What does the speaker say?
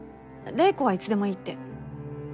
玲子はいつでもいいって。